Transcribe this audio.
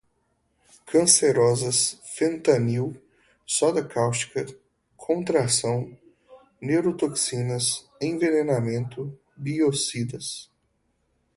cancerosas, fentanil, soda cáustica, contração, neurotoxinas, envenenamento, biocidas